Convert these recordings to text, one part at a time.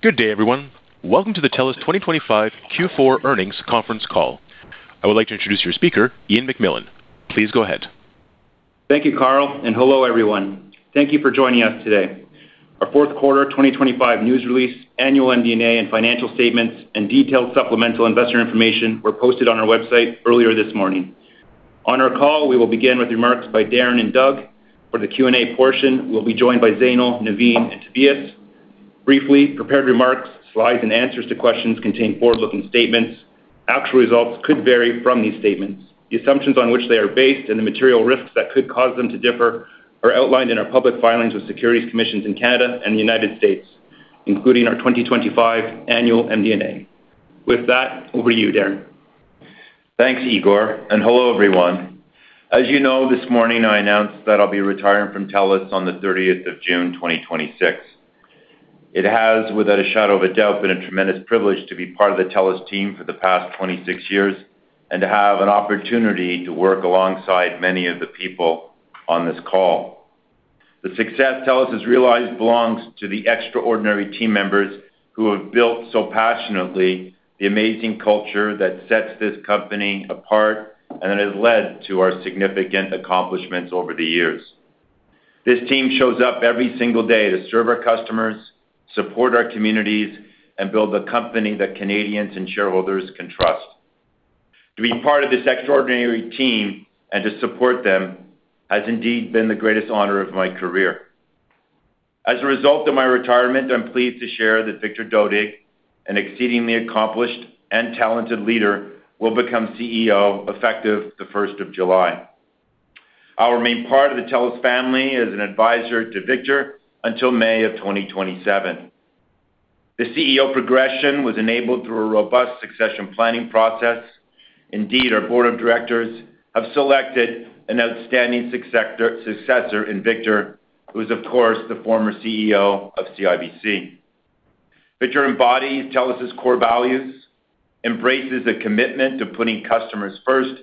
Good day, everyone. Welcome to the TELUS 2025 Q4 earnings conference call. I would like to introduce your speaker, Ian McMillan. Please go ahead. Thank you, Carl, and hello, everyone. Thank you for joining us today. Our fourth quarter 2025 news release, annual MD&A and financial statements and detailed supplemental investor information were posted on our website earlier this morning. On our call, we will begin with remarks by Darren and Doug. For the Q&A portion, we'll be joined by Zainul, Navin and Tobias. Briefly, prepared remarks, slides and answers to questions contain forward-looking statements. Actual results could vary from these statements. The assumptions on which they are based and the material risks that could cause them to differ are outlined in our public filings with securities commissions in Canada and the United States, including our 2025 annual MD&A. With that, over to you, Darren. Thanks, Ian, and hello, everyone. As you know, this morning, I announced that I'll be retiring from TELUS on the June 30th, 2026. It has, without a shadow of a doubt, been a tremendous privilege to be part of the TELUS team for the past 26 years and to have an opportunity to work alongside many of the people on this call. The success TELUS has realized belongs to the extraordinary team members who have built so passionately the amazing culture that sets this company apart and that has led to our significant accomplishments over the years. This team shows up every single day to serve our customers, support our communities, and build a company that Canadians and shareholders can trust. To be part of this extraordinary team and to support them has indeed been the greatest honor of my career. As a result of my retirement, I'm pleased to share that Victor Dodig, an exceedingly accomplished and talented leader, will become CEO effective the July 1st. I'll remain part of the TELUS family as an advisor to Victor until May of 2027. The CEO progression was enabled through a robust succession planning process. Indeed, our board of directors have selected an outstanding successor, successor in Victor, who is, of course, the former CEO of CIBC. Victor embodies TELUS' core values, embraces a commitment to putting customers first,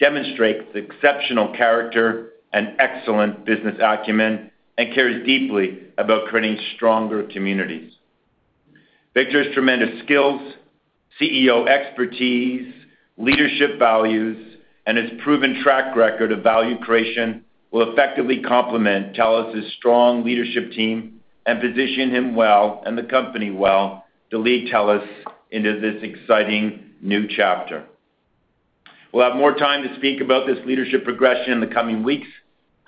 demonstrates exceptional character and excellent business acumen, and cares deeply about creating stronger communities. Victor's tremendous skills, CEO expertise, leadership values, and his proven track record of value creation will effectively complement TELUS' strong leadership team and position him well, and the company well, to lead TELUS into this exciting new chapter. We'll have more time to speak about this leadership progression in the coming weeks.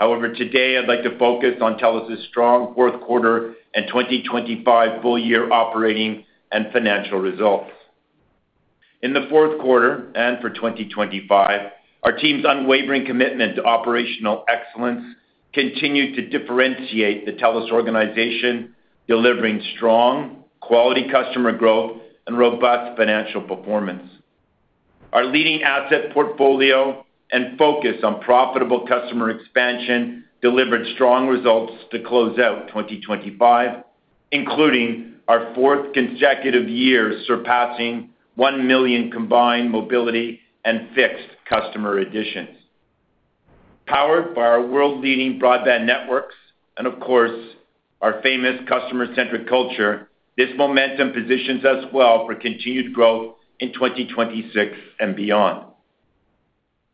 However, today I'd like to focus on TELUS' strong fourth quarter and 2025 full year operating and financial results. In the fourth quarter and for 2025, our team's unwavering commitment to operational excellence continued to differentiate the TELUS organization, delivering strong quality customer growth and robust financial performance. Our leading asset portfolio and focus on profitable customer expansion delivered strong results to close out 2025, including our fourth consecutive year, surpassing 1 million combined mobility and fixed customer additions. Powered by our world-leading broadband networks and, of course, our famous customer-centric culture, this momentum positions us well for continued growth in 2026 and beyond.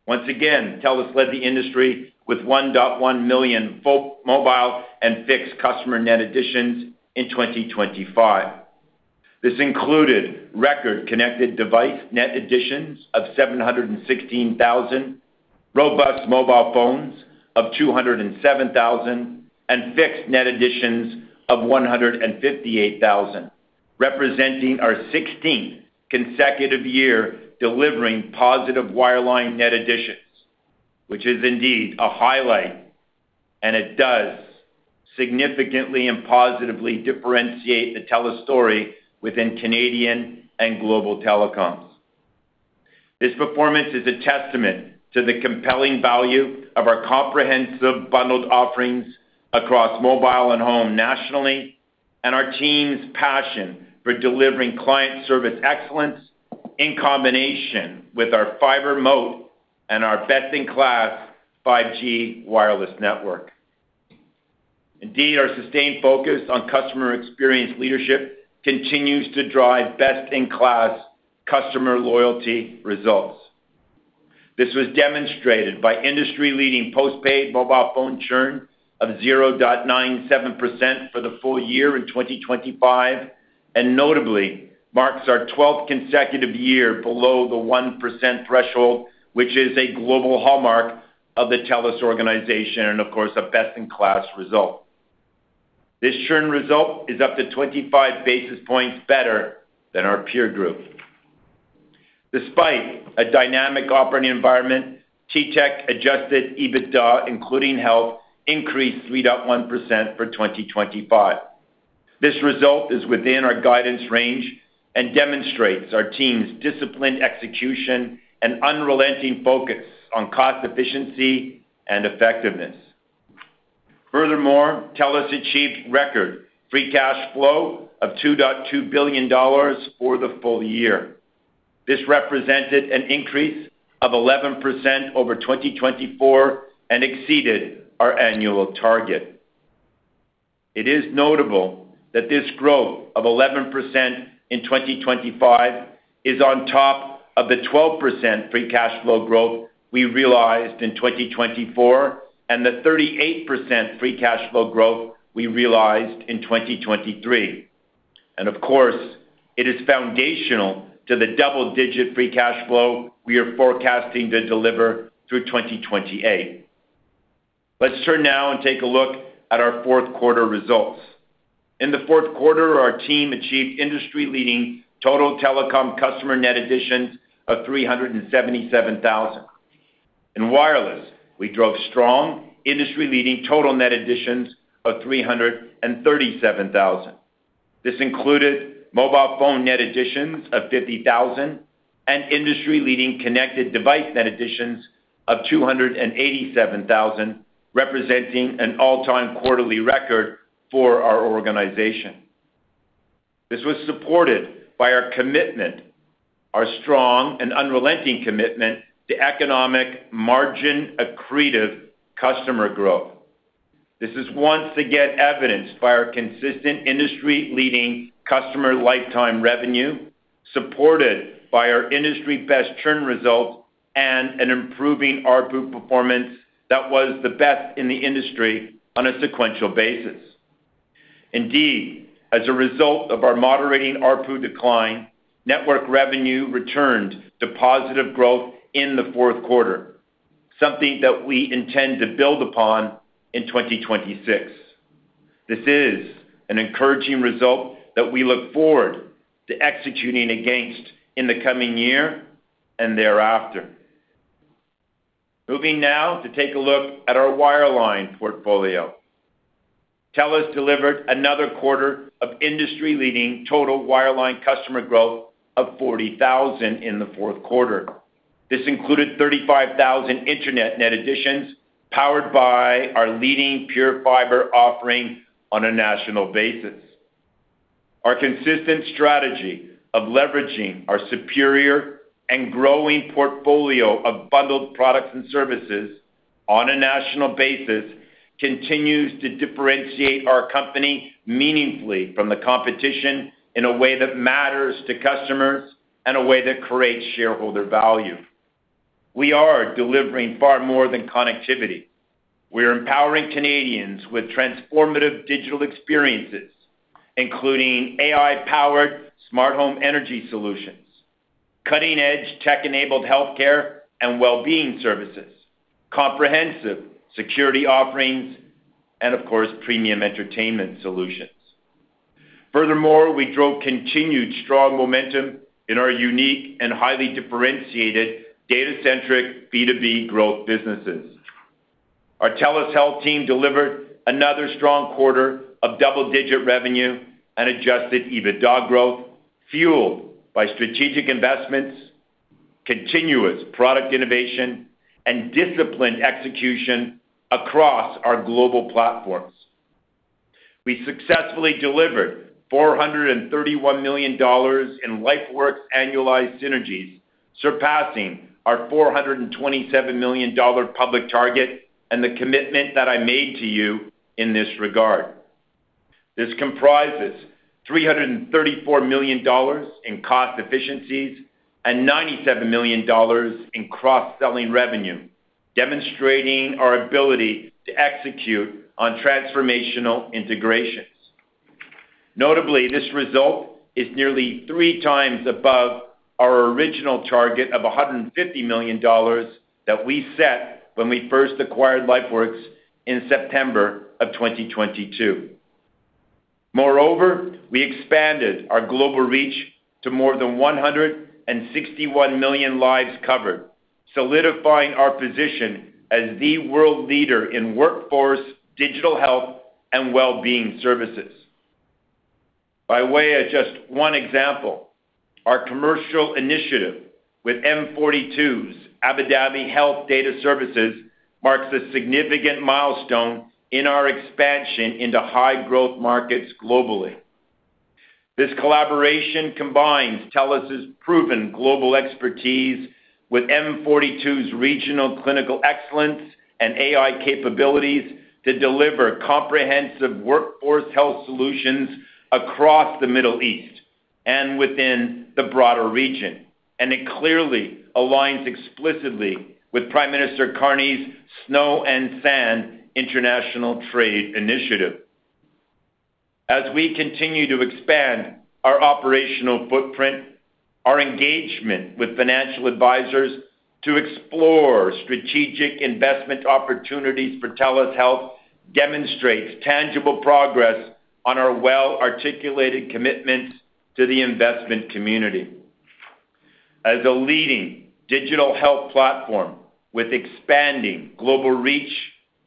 Once again, TELUS led the industry with 1.1 million full mobile and fixed customer net additions in 2025. This included record connected device net additions of 716,000, robust mobile phones of 207,000, and fixed net additions of 158,000, representing our 16th consecutive year delivering positive wireline net additions, which is indeed a highlight, and it does significantly and positively differentiate the TELUS story within Canadian and global telecoms. This performance is a testament to the compelling value of our comprehensive bundled offerings across mobile and home nationally, and our team's passion for delivering client service excellence in combination with our fiber moat and our best-in-class 5G wireless network. Indeed, our sustained focus on customer experience leadership continues to drive best-in-class customer loyalty results. This was demonstrated by industry-leading postpaid mobile phone churn of 0.97% for the full year in 2025, and notably marks our twelfth consecutive year below the 1% threshold, which is a global hallmark of the TELUS organization and, of course, a best-in-class result. This churn result is up to 25 basis points better than our peer group. Despite a dynamic operating environment, TTech adjusted EBITDA, including health, increased 3.1% for 2025. This result is within our guidance range and demonstrates our team's disciplined execution and unrelenting focus on cost efficiency and effectiveness. Furthermore, TELUS achieved record free cash flow of 2.2 billion dollars for the full year. This represented an increase of 11% over 2024 and exceeded our annual target. It is notable that this growth of 11% in 2025 is on top of the 12% free cash flow growth we realized in 2024, and the 38% free cash flow growth we realized in 2023. And of course, it is foundational to the double-digit free cash flow we are forecasting to deliver through 2028. Let's turn now and take a look at our fourth quarter results. In the fourth quarter, our team achieved industry-leading total telecom customer net additions of 377,000. In wireless, we drove strong industry-leading total net additions of 337,000. This included mobile phone net additions of 50,000 and industry-leading connected device net additions of 287,000, representing an all-time quarterly record for our organization. This was supported by our commitment, our strong and unrelenting commitment to economic margin accretive customer growth. This is once again evidenced by our consistent industry-leading customer lifetime revenue, supported by our industry-best churn results and an improving ARPU performance that was the best in the industry on a sequential basis. Indeed, as a result of our moderating ARPU decline, network revenue returned to positive growth in the fourth quarter, something that we intend to build upon in 2026. This is an encouraging result that we look forward to executing against in the coming year and thereafter. Moving now to take a look at our wireline portfolio. TELUS delivered another quarter of industry-leading total wireline customer growth of 40,000 in the fourth quarter. This included 35,000 internet net additions, powered by our leading PureFibre offering on a national basis. Our consistent strategy of leveraging our superior and growing portfolio of bundled products and services on a national basis continues to differentiate our company meaningfully from the competition in a way that matters to customers and a way that creates shareholder value. We are delivering far more than connectivity. We are empowering Canadians with transformative digital experiences, including AI-powered smart home energy solutions, cutting-edge tech-enabled healthcare and well-being services, comprehensive security offerings, and of course, premium entertainment solutions. Furthermore, we drove continued strong momentum in our unique and highly differentiated data-centric B2B growth businesses. Our TELUS Health team delivered another strong quarter of double-digit revenue and adjusted EBITDA growth, fueled by strategic investments, continuous product innovation, and disciplined execution across our global platforms. We successfully delivered 431 million dollars in LifeWorks annualized synergies, surpassing our 427 million dollar public target and the commitment that I made to you in this regard. This comprises 334 million dollars in cost efficiencies and 97 million dollars in cross-selling revenue, demonstrating our ability to execute on transformational integrations. Notably, this result is nearly 3x above our original target of 150 million dollars that we set when we first acquired LifeWorks in September 2022. Moreover, we expanded our global reach to more than 161 million lives covered, solidifying our position as the world leader in workforce, digital health, and well-being services. By way of just one example, our commercial initiative with M42's Abu Dhabi Health Data Services marks a significant milestone in our expansion into high-growth markets globally. This collaboration combines TELUS's proven global expertise with M42's regional clinical excellence and AI capabilities to deliver comprehensive workforce health solutions across the Middle East and within the broader region. And it clearly aligns explicitly with Prime Minister Carney's Snow and Sand International Trade Initiative. As we continue to expand our operational footprint, our engagement with financial advisors to explore strategic investment opportunities for TELUS Health demonstrates tangible progress on our well-articulated commitment to the investment community. As a leading digital health platform with expanding global reach,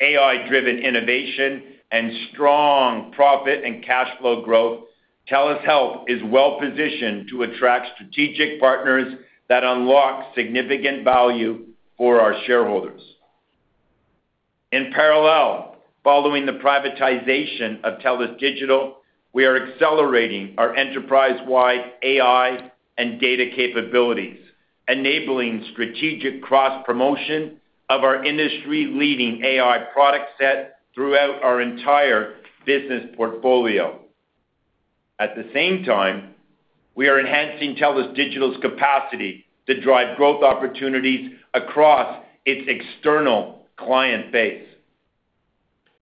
AI-driven innovation, and strong profit and cash flow growth, TELUS Health is well-positioned to attract strategic partners that unlock significant value for our shareholders.... In parallel, following the privatization of TELUS Digital, we are accelerating our enterprise-wide AI and data capabilities, enabling strategic cross-promotion of our industry-leading AI product set throughout our entire business portfolio. At the same time, we are enhancing TELUS Digital's capacity to drive growth opportunities across its external client base.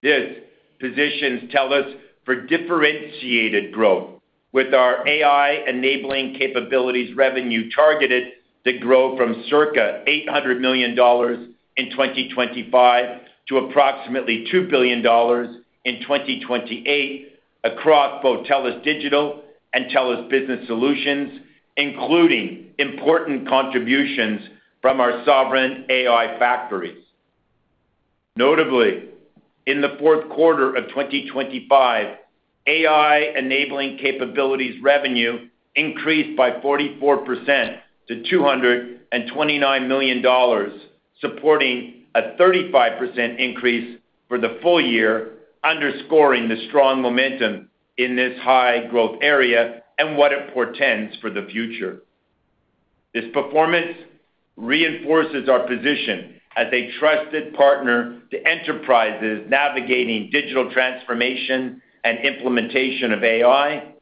This positions TELUS for differentiated growth, with our AI-enabling capabilities revenue targeted to grow from circa 800 million dollars in 2025 to approximately 2 billion dollars in 2028 across both TELUS Digital and TELUS Business Solutions, including important contributions from our sovereign AI factories. Notably, in the fourth quarter of 2025, AI-enabling capabilities revenue increased by 44% to 229 million dollars, supporting a 35% increase for the full year, underscoring the strong momentum in this high-growth area and what it portends for the future. This performance reinforces our position as a trusted partner to enterprises navigating digital transformation and implementation of AI,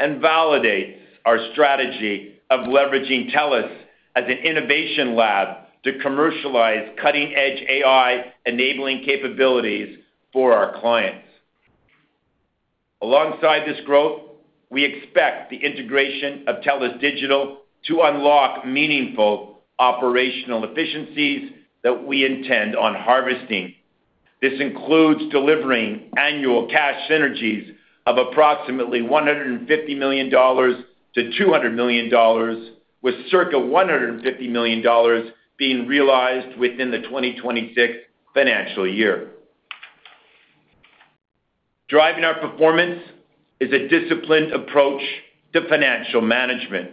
and validates our strategy of leveraging TELUS as an innovation lab to commercialize cutting-edge AI-enabling capabilities for our clients. Alongside this growth, we expect the integration of TELUS Digital to unlock meaningful operational efficiencies that we intend on harvesting. This includes delivering annual cash synergies of approximately 150 million-200 million dollars, with circa 150 million dollars being realized within the 2026 financial year. Driving our performance is a disciplined approach to financial management,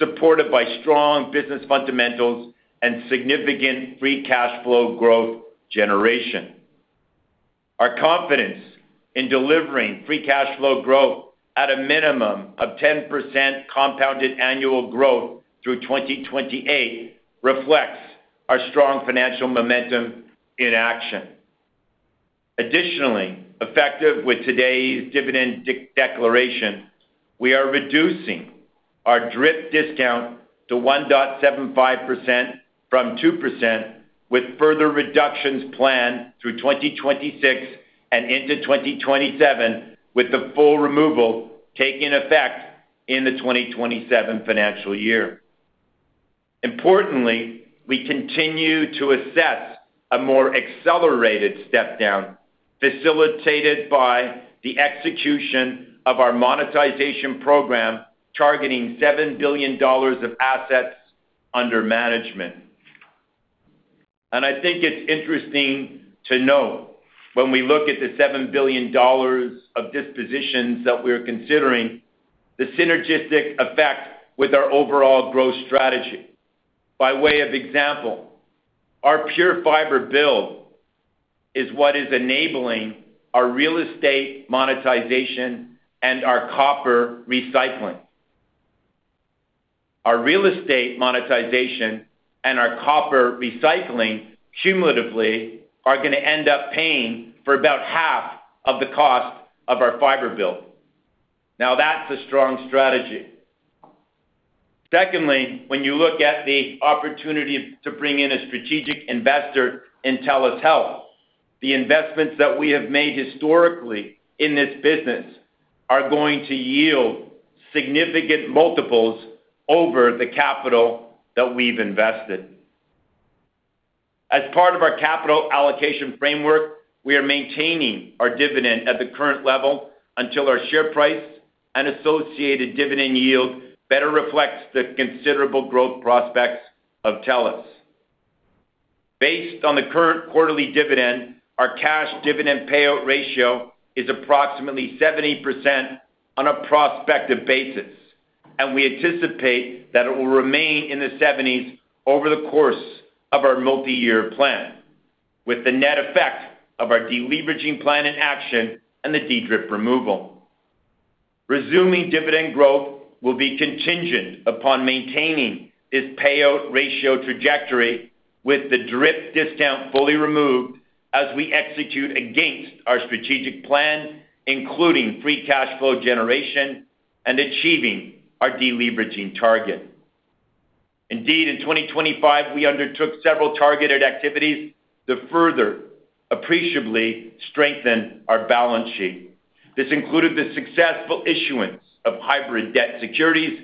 supported by strong business fundamentals and significant free cash flow growth generation. Our confidence in delivering free cash flow growth at a minimum of 10% compounded annual growth through 2028 reflects our strong financial momentum in action. Additionally, effective with today's dividend declaration, we are reducing our DRIP discount to 1.75% from 2%, with further reductions planned through 2026 and into 2027, with the full removal taking effect in the 2027 financial year. Importantly, we continue to assess a more accelerated step-down, facilitated by the execution of our monetization program, targeting 7 billion dollars of assets under management. I think it's interesting to note, when we look at the 7 billion dollars of dispositions that we're considering, the synergistic effect with our overall growth strategy. By way of example, our PureFibre build is what is enabling our real estate monetization and our copper recycling. Our real estate monetization and our copper recycling cumulatively are going to end up paying for about half of the cost of our fiber build. Now, that's a strong strategy. Secondly, when you look at the opportunity to bring in a strategic investor in TELUS Health, the investments that we have made historically in this business are going to yield significant multiples over the capital that we've invested. As part of our capital allocation framework, we are maintaining our dividend at the current level until our share price and associated dividend yield better reflects the considerable growth prospects of TELUS. Based on the current quarterly dividend, our cash dividend payout ratio is approximately 70% on a prospective basis, and we anticipate that it will remain in the 70s over the course of our multiyear plan, with the net effect of our deleveraging plan in action and the DRIP removal. Resuming dividend growth will be contingent upon maintaining this payout ratio trajectory with the DRIP discount fully removed as we execute against our strategic plan, including free cash flow generation and achieving our deleveraging target. Indeed, in 2025, we undertook several targeted activities to further appreciably strengthen our balance sheet. This included the successful issuance of hybrid debt securities,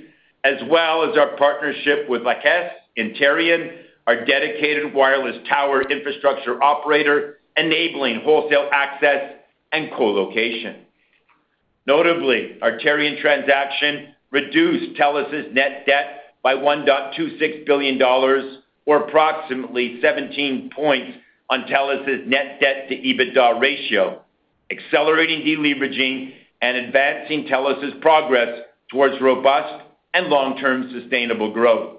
as well as our partnership with La Caisse and Terrion, our dedicated wireless tower infrastructure operator, enabling wholesale access and colocation. Notably, our Terrion transaction reduced TELUS's net debt by 1.26 billion dollars or approximately 17 points on TELUS's net debt to EBITDA ratio, accelerating deleveraging and advancing TELUS's progress towards robust and long-term sustainable growth....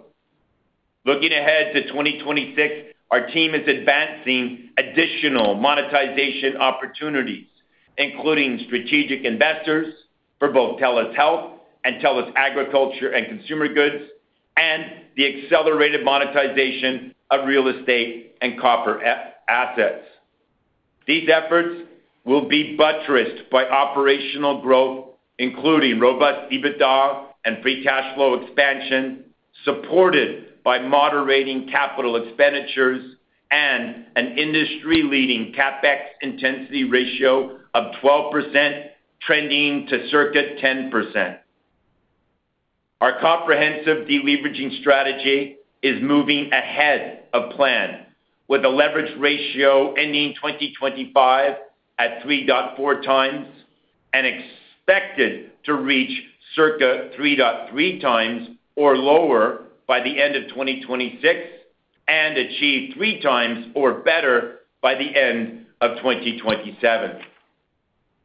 Looking ahead to 2026, our team is advancing additional monetization opportunities, including strategic investors for both TELUS Health and TELUS Agriculture and Consumer Goods, and the accelerated monetization of real estate and copper assets. These efforts will be buttressed by operational growth, including robust EBITDA and free cash flow expansion, supported by moderating capital expenditures and an industry-leading CapEx intensity ratio of 12%, trending to circa 10%. Our comprehensive deleveraging strategy is moving ahead of plan, with a leverage ratio ending 2025 at 3.4x, and expected to reach circa 3.3x or lower by the end of 2026, and achieve 3x or better by the end of 2027.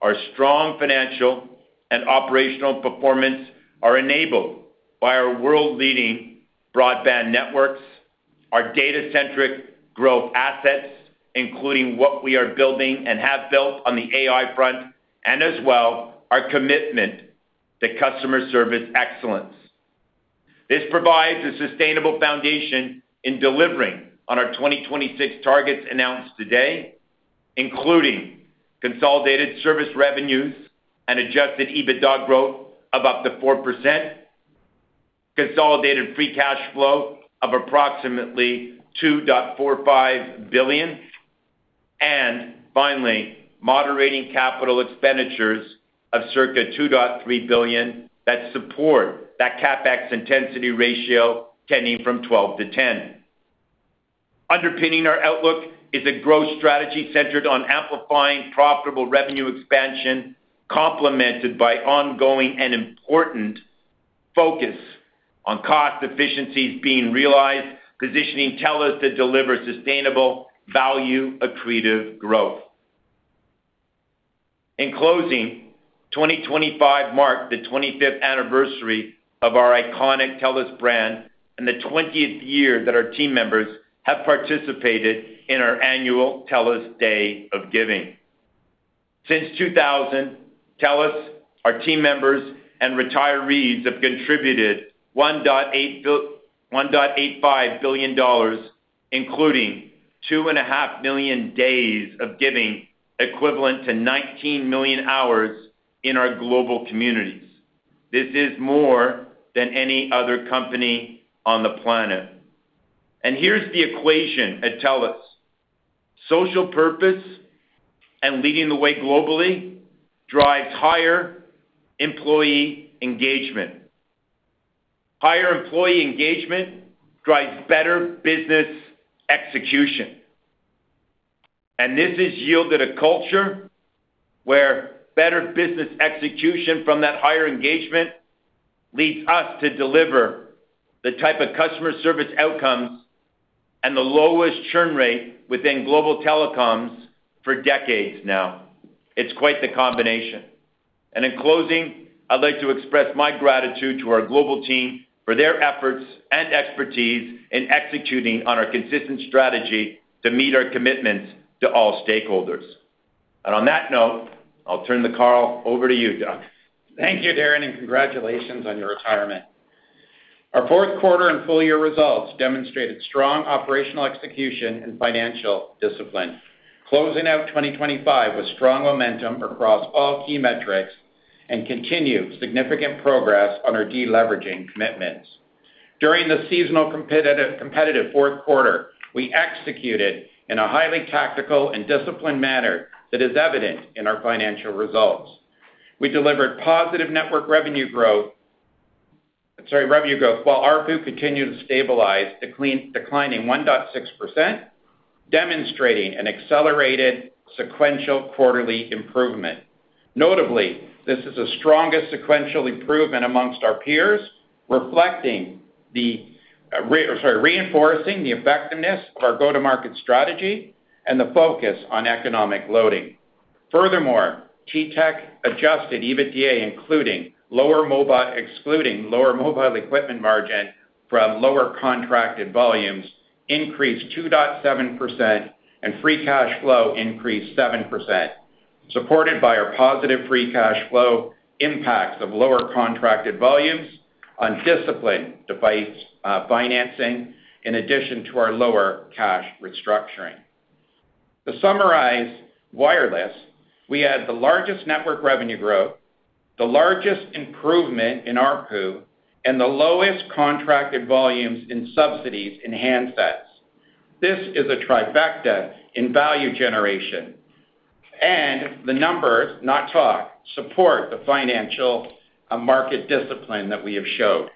Our strong financial and operational performance are enabled by our world-leading broadband networks, our data-centric growth assets, including what we are building and have built on the AI front, and as well, our commitment to customer service excellence. This provides a sustainable foundation in delivering on our 2026 targets announced today, including consolidated service revenues and adjusted EBITDA growth of up to 4%, consolidated free cash flow of approximately 2.45 billion, and finally, moderating capital expenditures of circa 2.3 billion that support that CapEx intensity ratio tending from 12%-10%. Underpinning our outlook is a growth strategy centered on amplifying profitable revenue expansion, complemented by ongoing and important focus on cost efficiencies being realized, positioning TELUS to deliver sustainable value-accretive growth. In closing, 2025 marked the 25th anniversary of our iconic TELUS brand and the 20th year that our team members have participated in our annual TELUS Day of Giving. Since 2000, TELUS, our team members, and retirees have contributed 1.85 billion dollars, including 2.5 million days of giving, equivalent to 19 million hours in our global communities. This is more than any other company on the planet. And here's the equation at TELUS: Social purpose and leading the way globally drives higher employee engagement. Higher employee engagement drives better business execution. This has yielded a culture where better business execution from that higher engagement leads us to deliver the type of customer service outcomes and the lowest churn rate within global telecoms for decades now. It's quite the combination. In closing, I'd like to express my gratitude to our global team for their efforts and expertise in executing on our consistent strategy to meet our commitments to all stakeholders. On that note, I'll turn the call over to you, Doug. Thank you, Darren, and congratulations on your retirement. Our fourth quarter and full year results demonstrated strong operational execution and financial discipline, closing out 2025 with strong momentum across all key metrics and continued significant progress on our deleveraging commitments. During the seasonal competitive fourth quarter, we executed in a highly tactical and disciplined manner that is evident in our financial results. We delivered positive network revenue growth... I'm sorry, revenue growth, while ARPU continued to stabilize, declining 1.6%, demonstrating an accelerated sequential quarterly improvement. Notably, this is the strongest sequential improvement among our peers, reflecting the reinforcing the effectiveness of our go-to-market strategy and the focus on economic loading. Furthermore, TTech adjusted EBITDA, excluding lower mobile equipment margin from lower contracted volumes, increased 2.7%, and free cash flow increased 7%, supported by our positive free cash flow impacts of lower contracted volumes on disciplined device financing, in addition to our lower cash restructuring. To summarize wireless, we had the largest network revenue growth, the largest improvement in ARPU, and the lowest contracted volumes in subsidies in handsets. This is a trifecta in value generation, and the numbers, not talk, support the financial market discipline that we have showed.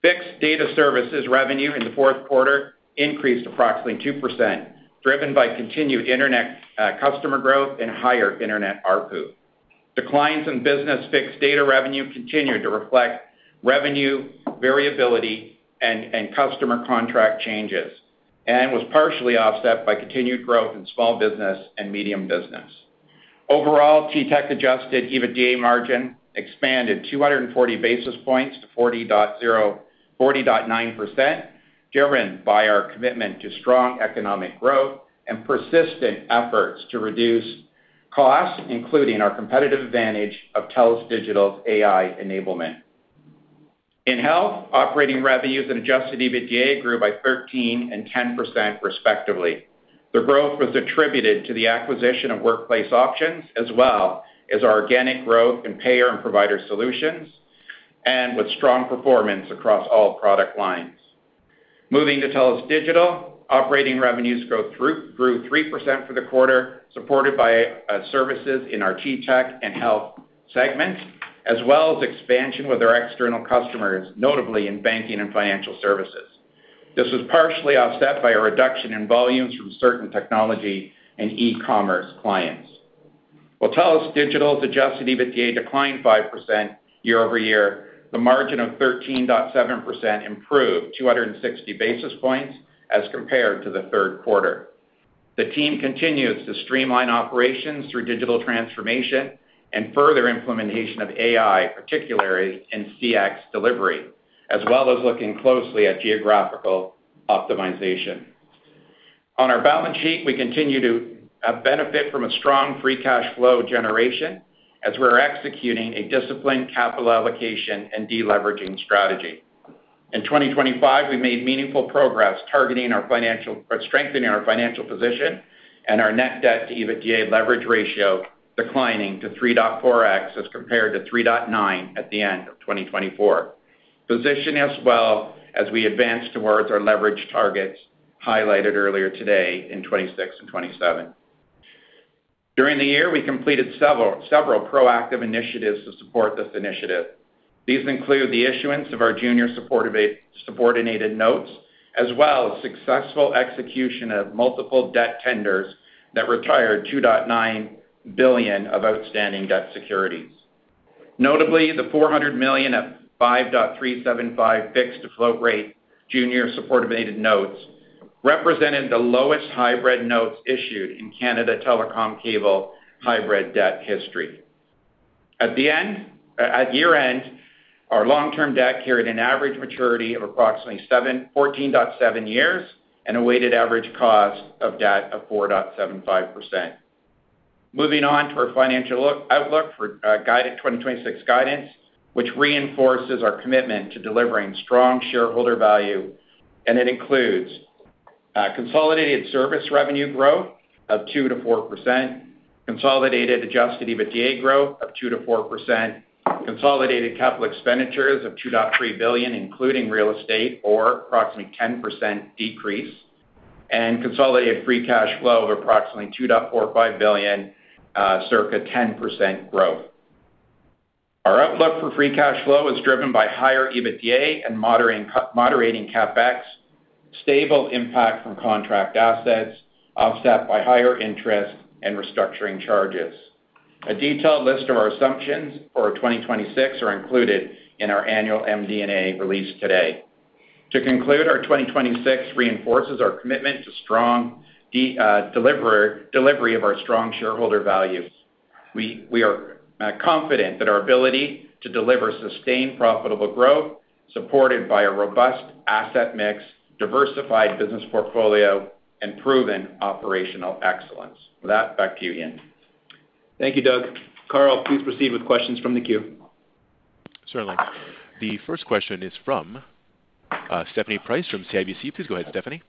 Fixed data services revenue in the fourth quarter increased approximately 2%, driven by continued internet customer growth and higher internet ARPU. Declines in business fixed data revenue continued to reflect revenue variability and customer contract changes, and was partially offset by continued growth in small business and medium business. Overall, TTech adjusted EBITDA margin expanded 240 basis points to 40.0%-40.9%, driven by our commitment to strong economic growth and persistent efforts to reduce costs, including our competitive advantage of TELUS Digital's AI enablement. In health, operating revenues and adjusted EBITDA grew by 13% and 10%, respectively. The growth was attributed to the acquisition of Workplace Options, as well as our organic growth in Payer and Provider Solutions and with strong performance across all product lines. Moving to TELUS Digital, operating revenues growth grew, grew 3% for the quarter, supported by services in our TTech and health segments, as well as expansion with our external customers, notably in banking and financial services. This was partially offset by a reduction in volumes from certain technology and e-commerce clients. While TELUS Digital's adjusted EBITDA declined 5% year-over-year, the margin of 13.7% improved 260 basis points as compared to the third quarter. The team continues to streamline operations through digital transformation and further implementation of AI, particularly in CX delivery, as well as looking closely at geographical optimization. On our balance sheet, we continue to benefit from a strong free cash flow generation as we're executing a disciplined capital allocation and deleveraging strategy. In 2025, we made meaningful progress targeting our financial—or strengthening our financial position and our net debt to EBITDA leverage ratio, declining to 3.4x as compared to 3.9x at the end of 2024. Positioning us well as we advance towards our leverage targets, highlighted earlier today in 2026 and 2027. During the year, we completed several proactive initiatives to support this initiative. These include the issuance of our junior supportive—subordinated notes, as well as successful execution of multiple debt tenders that retired 2.9 billion of outstanding debt securities. Notably, the 400 million at 5.375% fixed to float rate junior subordinated notes represented the lowest hybrid notes issued in Canada Telecom Cable hybrid debt history. At year-end, our long-term debt carried an average maturity of approximately 14.7 years and a weighted average cost of debt of 4.75%. Moving on to our financial outlook for guided 2026 guidance, which reinforces our commitment to delivering strong shareholder value, and it includes consolidated service revenue growth of 2%-4%, consolidated adjusted EBITDA growth of 2%-4%, consolidated capital expenditures of 2.3 billion, including real estate, or approximately 10% decrease, and consolidated free cash flow of approximately 2.45 billion, circa 10% growth. Our outlook for free cash flow is driven by higher EBITDA and moderating CapEx, stable impact from contract assets, offset by higher interest and restructuring charges. A detailed list of our assumptions for 2026 are included in our annual MD&A release today. To conclude, our 2026 reinforces our commitment to strong delivery of our strong shareholder value. We are confident that our ability to deliver sustained profitable growth, supported by a robust asset mix, diversified business portfolio, and proven operational excellence. With that, back to you, Ian. Thank you, Doug. Carl, please proceed with questions from the queue. Certainly. The first question is from Stephanie Price from CIBC. Please go ahead, Stephanie.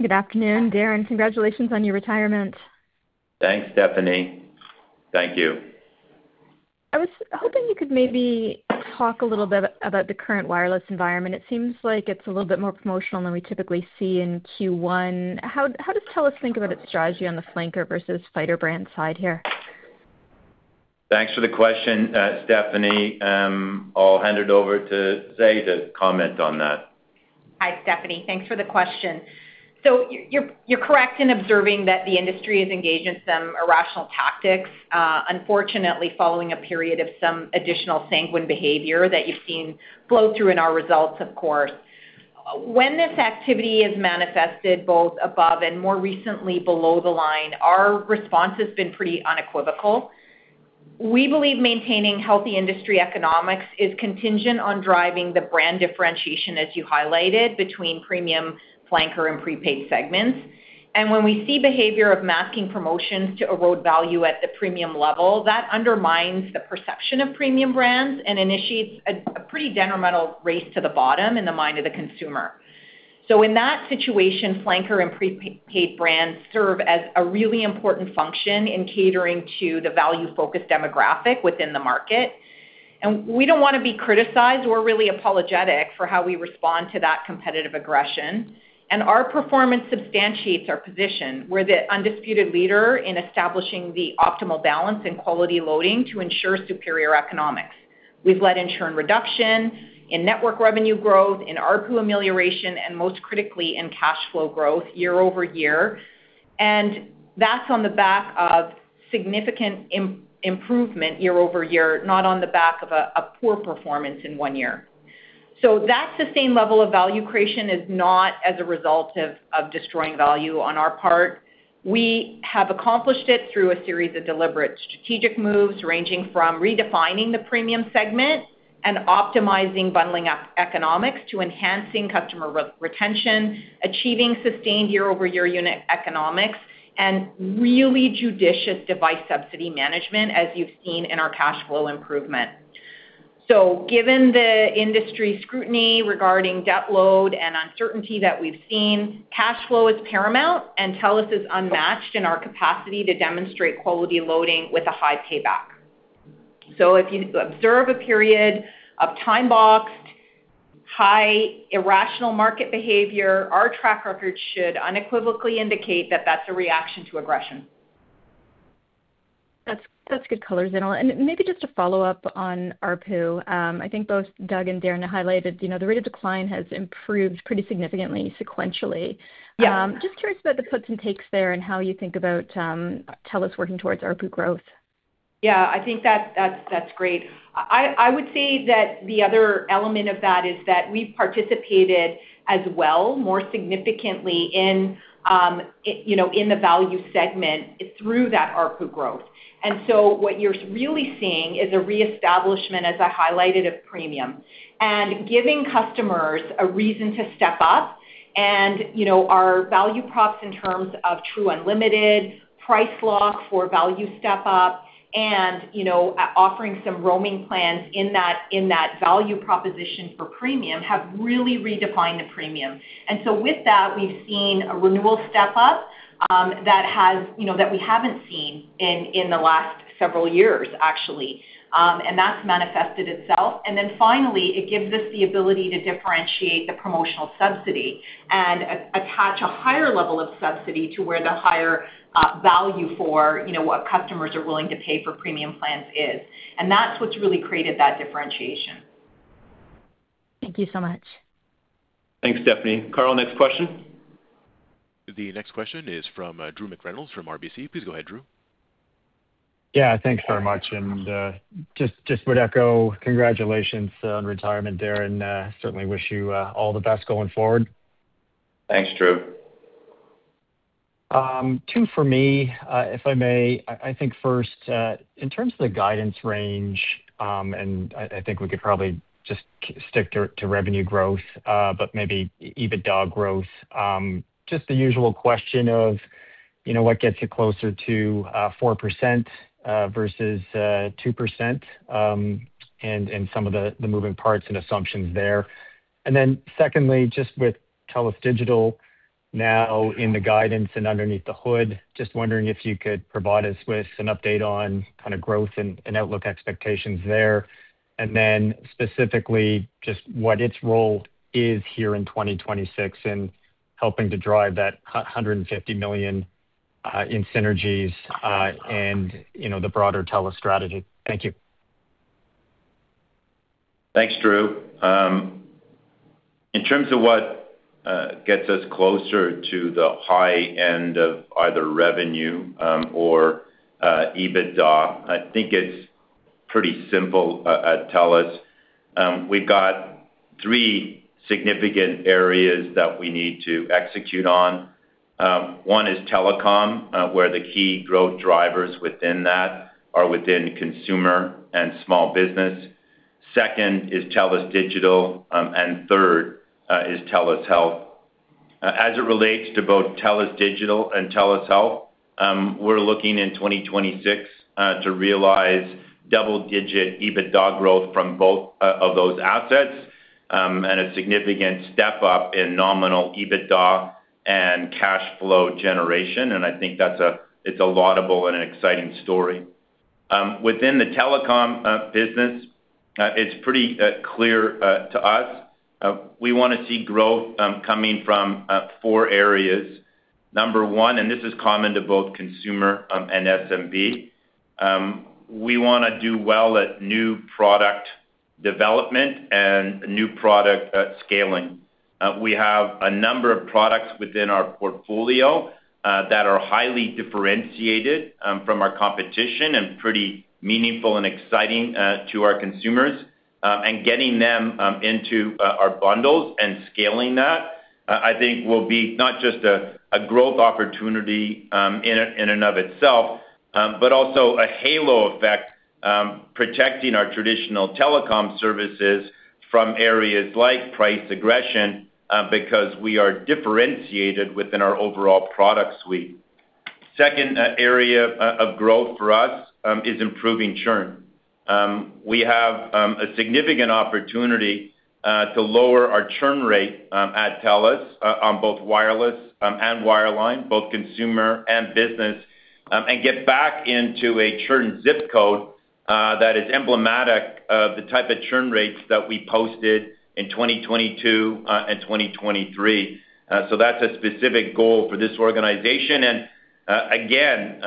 Good afternoon, Darren. Congratulations on your retirement. Thanks, Stephanie. Thank you. I was hoping you could maybe talk a little bit about the current wireless environment. It seems like it's a little bit more promotional than we typically see in Q1. How, how does TELUS think about its strategy on the flanker versus fighter brand side here? Thanks for the question, Stephanie. I'll hand it over to Zainul to comment on that. Hi, Stephanie. Thanks for the question. So you're correct in observing that the industry is engaged in some irrational tactics, unfortunately, following a period of some additional sanguine behavior that you've seen flow through in our results, of course. When this activity is manifested both above and more recently below the line, our response has been pretty unequivocal. We believe maintaining healthy industry economics is contingent on driving the brand differentiation, as you highlighted, between premium flanker and prepaid segments. And when we see behavior of masking promotions to erode value at the premium level, that undermines the perception of premium brands and initiates a pretty detrimental race to the bottom in the mind of the consumer. So in that situation, flanker and prepaid brands serve as a really important function in catering to the value-focused demographic within the market. And we don't want to be criticized or really apologetic for how we respond to that competitive aggression, and our performance substantiates our position. We're the undisputed leader in establishing the optimal balance and quality loading to ensure superior economics. We've led in churn reduction, in network revenue growth, in ARPU amelioration, and most critically, in cash flow growth year-over-year. And that's on the back of significant improvement year-over-year, not on the back of a poor performance in one year. So that sustained level of value creation is not as a result of destroying value on our part. We have accomplished it through a series of deliberate strategic moves, ranging from redefining the premium segment and optimizing bundling up economics to enhancing customer retention, achieving sustained year-over-year unit economics, and really judicious device subsidy management, as you've seen in our cash flow improvement. Given the industry scrutiny regarding debt load and uncertainty that we've seen, cash flow is paramount, and TELUS is unmatched in our capacity to demonstrate quality loading with a high payback. If you observe a period of time boxed, high irrational market behavior, our track record should unequivocally indicate that that's a reaction to aggression. That's, that's good color, Zainul. And maybe just to follow up on ARPU, I think both Doug and Darren highlighted, you know, the rate of decline has improved pretty significantly sequentially. Yeah. Just curious about the puts and takes there and how you think about, TELUS working towards ARPU growth. Yeah, I think that's great. I would say that the other element of that is that we've participated as well, more significantly, you know, in the value segment through that ARPU growth. And so what you're really seeing is a reestablishment, as I highlighted, of premium, and giving customers a reason to step up. And, you know, our value props in terms of true unlimited, price lock for value step up, and, you know, offering some roaming plans in that value proposition for premium, have really redefined the premium. And so with that, we've seen a renewal step up that has... You know, that we haven't seen in the last several years, actually. And that's manifested itself. And then finally, it gives us the ability to differentiate the promotional subsidy and attach a higher level of subsidy to where the higher value for, you know, what customers are willing to pay for premium plans is. And that's what's really created that differentiation. Thank you so much. Thanks, Stephanie. Carl, next question. The next question is from Drew McReynolds from RBC. Please go ahead, Drew. Yeah, thanks very much. And, just would echo congratulations on retirement, Darren. Certainly wish you all the best going forward. Thanks, Drew. Two for me, if I may. I think first, in terms of the guidance range, and I think we could probably just stick to revenue growth, but maybe EBITDA growth. Just the usual question of, you know, what gets you closer to 4% versus 2%, and some of the moving parts and assumptions there. And then secondly, just with TELUS Digital now in the guidance and underneath the hood, just wondering if you could provide us with an update on kind of growth and outlook expectations there. And then specifically, just what its role is here in 2026 in helping to drive that 150 million in synergies, and, you know, the broader TELUS strategy. Thank you. Thanks, Drew. In terms of what gets us closer to the high end of either revenue or EBITDA, I think it's pretty simple at TELUS. We've got three significant areas that we need to execute on. One is telecom, where the key growth drivers within that are within consumer and small business. Second is TELUS Digital, and third is TELUS Health. As it relates to both TELUS Digital and TELUS Health, we're looking in 2026 to realize double-digit EBITDA growth from both of those assets, and a significant step up in nominal EBITDA and cash flow generation. And I think that's a laudable and an exciting story. Within the telecom business, it's pretty clear to us. We want to see growth coming from four areas. Number one, and this is common to both consumer and SMB, we want to do well at new product development and new product scaling. We have a number of products within our portfolio that are highly differentiated from our competition and pretty meaningful and exciting to our consumers. And getting them into our bundles and scaling that, I think will be not just a growth opportunity in and of itself, but also a halo effect protecting our traditional telecom services from areas like price aggression because we are differentiated within our overall product suite. Second, area of growth for us is improving churn. We have a significant opportunity to lower our churn rate at TELUS on both wireless and wireline, both consumer and business, and get back into a churn ZIP code that is emblematic of the type of churn rates that we posted in 2022 and 2023. So that's a specific goal for this organization. And again,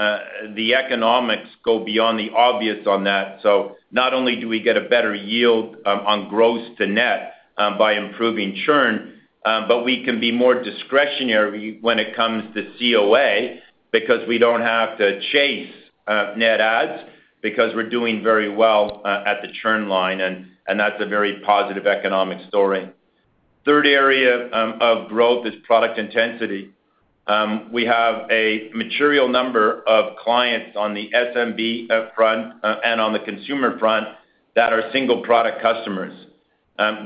the economics go beyond the obvious on that. So not only do we get a better yield on gross to net by improving churn, but we can be more discretionary when it comes to COA, because we don't have to chase net adds, because we're doing very well at the churn line, and that's a very positive economic story.... Third area of growth is product intensity. We have a material number of clients on the SMB front and on the consumer front that are single product customers.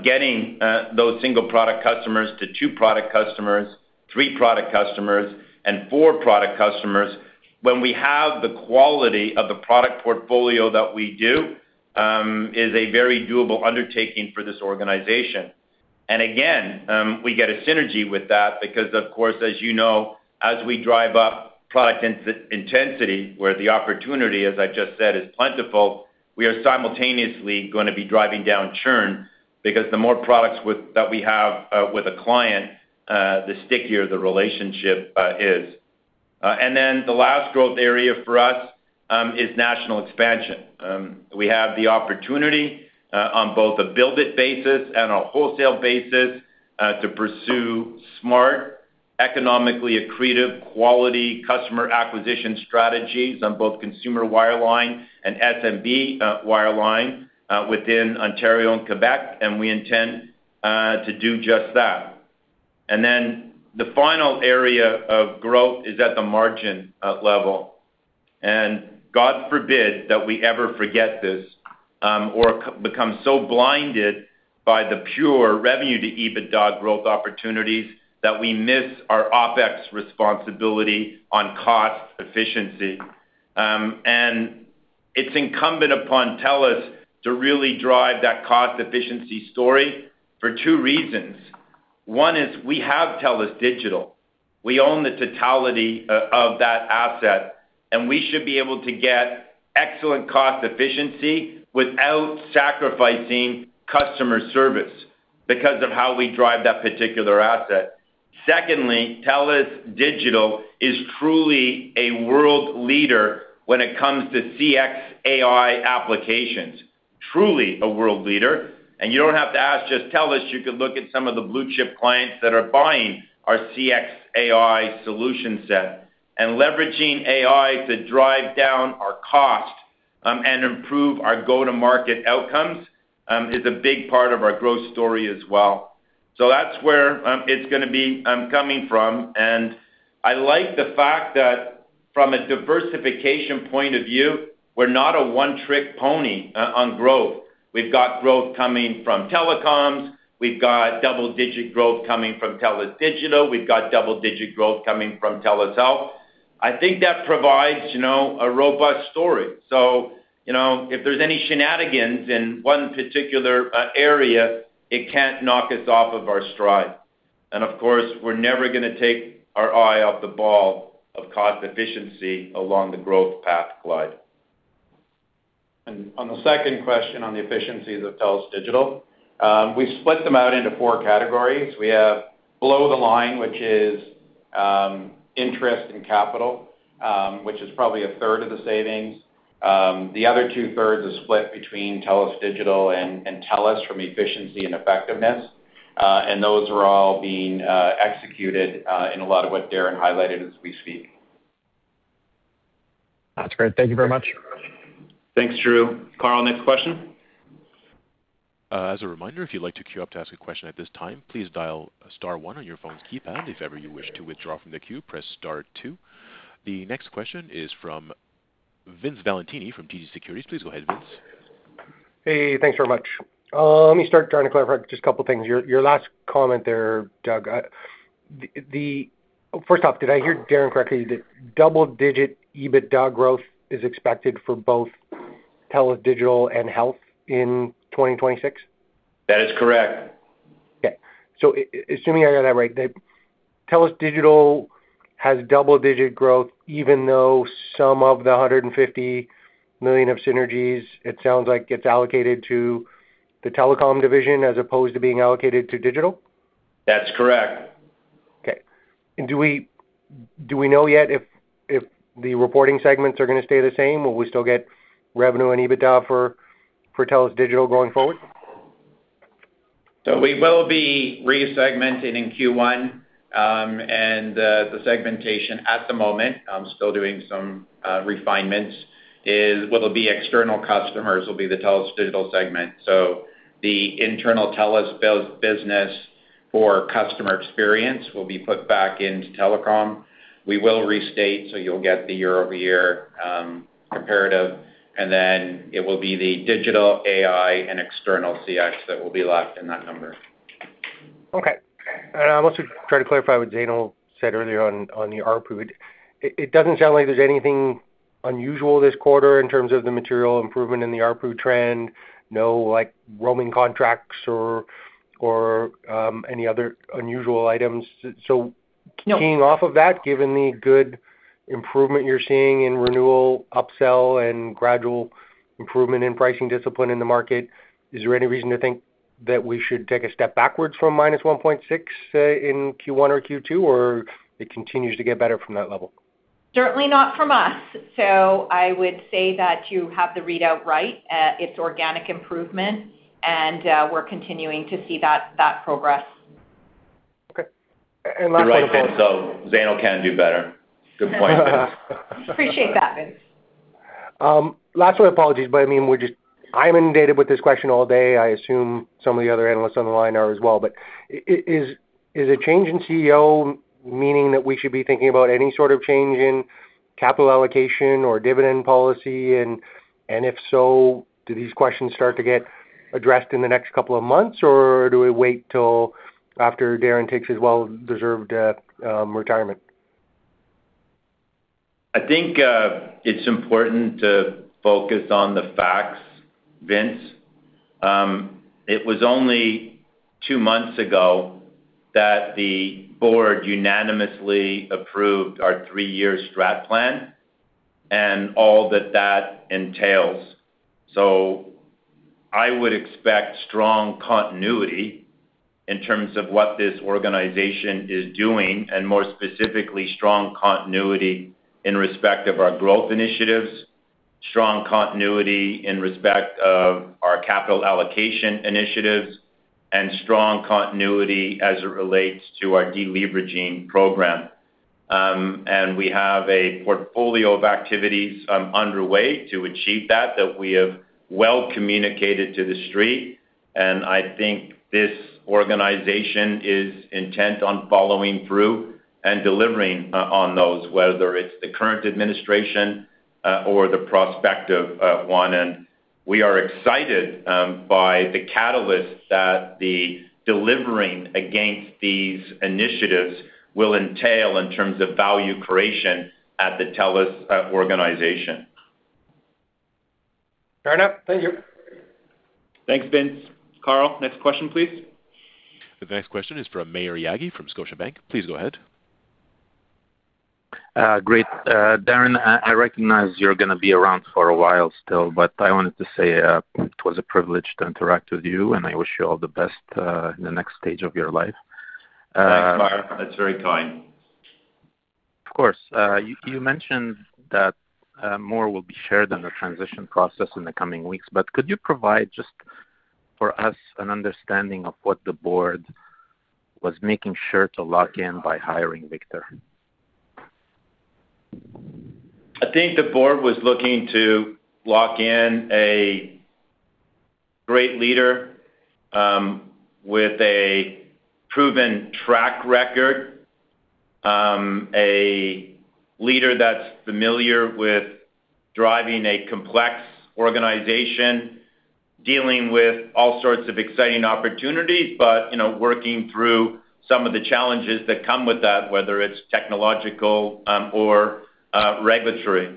Getting those single product customers to two product customers, three product customers, and four product customers, when we have the quality of the product portfolio that we do, is a very doable undertaking for this organization. And again, we get a synergy with that because, of course, as you know, as we drive up product intensity, where the opportunity, as I just said, is plentiful, we are simultaneously gonna be driving down churn. Because the more products that we have with a client, the stickier the relationship is. And then the last growth area for us is national expansion. We have the opportunity on both a build-it basis and a wholesale basis to pursue smart, economically accretive, quality customer acquisition strategies on both consumer wireline and SMB wireline within Ontario and Quebec, and we intend to do just that. And then the final area of growth is at the margin level. And God forbid that we ever forget this or become so blinded by the pure revenue to EBITDA growth opportunities that we miss our OpEx responsibility on cost efficiency. And it's incumbent upon TELUS to really drive that cost efficiency story for two reasons. One is we have TELUS Digital. We own the totality of that asset, and we should be able to get excellent cost efficiency without sacrificing customer service because of how we drive that particular asset. Secondly, TELUS Digital is truly a world leader when it comes to CX AI applications. Truly a world leader, and you don't have to ask just TELUS. You could look at some of the blue-chip clients that are buying our CX AI solution set. And leveraging AI to drive down our cost, and improve our go-to-market outcomes, is a big part of our growth story as well. So that's where it's gonna be coming from, and I like the fact that from a diversification point of view, we're not a one-trick pony on growth. We've got growth coming from telecoms. We've got double-digit growth coming from TELUS Digital. We've got double-digit growth coming from TELUS Health. I think that provides, you know, a robust story. So, you know, if there's any shenanigans in one particular area, it can't knock us off of our stride. Of course, we're never gonna take our eye off the ball of cost efficiency along the growth path, glide. On the second question, on the efficiencies of TELUS Digital, we've split them out into four categories. We have below the line, which is, interest and capital, which is probably a third of the savings. The other two-thirds is split between TELUS Digital and, and TELUS from efficiency and effectiveness. And those are all being executed, in a lot of what Darren highlighted as we speak. That's great. Thank you very much. Thanks, Drew. Carl, next question. As a reminder, if you'd like to queue up to ask a question at this time, please dial star one on your phone's keypad. If ever you wish to withdraw from the queue, press star two. The next question is from Vince Valentini from TD Securities. Please go ahead, Vince. Hey, thanks very much. Let me start trying to clarify just a couple of things. Your, your last comment there, Doug. First off, did I hear Darren correctly, that double-digit EBITDA growth is expected for both TELUS Digital and Health in 2026? That is correct. Okay. So assuming I got that right, the TELUS Digital has double-digit growth, even though some of the 150 million of synergies, it sounds like, gets allocated to the telecom division as opposed to being allocated to digital? That's correct. Okay. And do we know yet if the reporting segments are gonna stay the same, or we still get revenue and EBITDA for TELUS Digital going forward? So we will be re-segmenting in Q1, and the segmentation at the moment, I'm still doing some refinements, is what will be external customers will be the TELUS Digital segment. So the internal TELUS business for customer experience will be put back into telecom. We will restate, so you'll get the year-over-year comparative, and then it will be the digital AI and external CX that will be left in that number. Okay. And I want to try to clarify what Zainul said earlier on the ARPU. It doesn't sound like there's anything unusual this quarter in terms of the material improvement in the ARPU trend? No, like, roaming contracts or any other unusual items. So- No... keying off of that, given the good improvement you're seeing in renewal, upsell, and gradual improvement in pricing discipline in the market, is there any reason to think that we should take a step backwards from -1.6 in Q1 or Q2, or it continues to get better from that level? Certainly not from us. I would say that you have the readout right. It's organic improvement, and we're continuing to see that that progress.... Okay, and last- You're right, Vince, so Zainul can do better. Good point, Vince. Appreciate that, Vince. Lastly, apologies, but I mean, we're just, I'm inundated with this question all day. I assume some of the other analysts on the line are as well. But is a change in CEO meaning that we should be thinking about any sort of change in capital allocation or dividend policy? And if so, do these questions start to get addressed in the next couple of months, or do we wait till after Darren takes his well-deserved retirement? I think, it's important to focus on the facts, Vince. It was only two months ago that the board unanimously approved our three-year strat plan and all that that entails. So I would expect strong continuity in terms of what this organization is doing, and more specifically, strong continuity in respect of our growth initiatives, strong continuity in respect of our capital allocation initiatives, and strong continuity as it relates to our deleveraging program. And we have a portfolio of activities, underway to achieve that, that we have well communicated to the street, and I think this organization is intent on following through and delivering on those, whether it's the current administration, or the prospective, one. And we are excited, by the catalysts that the delivering against these initiatives will entail in terms of value creation at the TELUS organization. Fair enough. Thank you. Thanks, Vince. Carl, next question, please. The next question is from Maher Yaghi from Scotiabank. Please go ahead. Great. Darren, I recognize you're gonna be around for a while still, but I wanted to say it was a privilege to interact with you, and I wish you all the best in the next stage of your life. Thanks, Maher. That's very kind. Of course. You mentioned that more will be shared on the transition process in the coming weeks, but could you provide just for us an understanding of what the board was making sure to lock in by hiring Victor? I think the board was looking to lock in a great leader, with a proven track record, a leader that's familiar with driving a complex organization, dealing with all sorts of exciting opportunities, but, you know, working through some of the challenges that come with that, whether it's technological, or regulatory.